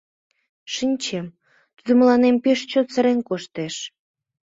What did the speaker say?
Шинчем: тудо мыланем пеш чот сырен коштеш.